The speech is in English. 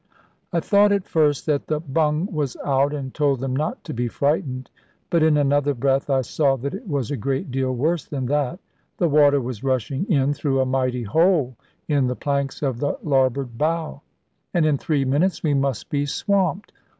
I thought at first that the bung was out, and told them not to be frightened; but in another breath I saw that it was a great deal worse than that. The water was rushing in through a mighty hole in the planks of the larboard bow; and in three minutes we must be swamped.